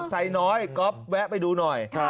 ใส่น้อยกรอบแวะไปดูหน่อย